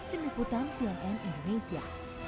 keniputan cnn indonesia